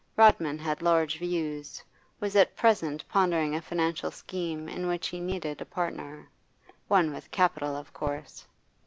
Rodman had large views, was at present pondering a financial scheme in which he needed a partner one with capital of course.